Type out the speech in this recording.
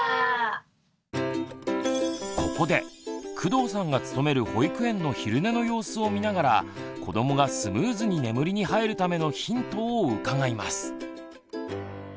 ここで工藤さんが勤める保育園の昼寝の様子を見ながら子どもがスムーズに眠りに入るためのヒントを伺います。